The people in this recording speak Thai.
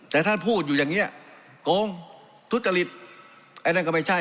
แต่ท่านพูดอยู่อย่างเงี้ยโกงทุจริตไอ้นั่นก็ไม่ใช่